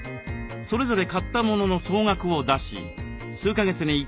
それぞれ買ったものの総額を出し数か月に１回精算。